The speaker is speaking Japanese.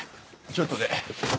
ちょっとで。